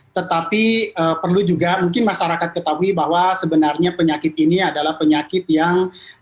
tetapi perlu juga mungkin masyarakat ketahui bahwa sebenarnya penyakit ini adalah penyakit yang